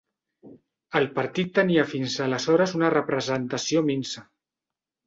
El partit tenia fins aleshores una representació minsa.